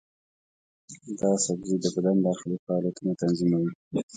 دا سبزی د بدن داخلي فعالیتونه تنظیموي.